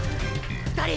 ２人！！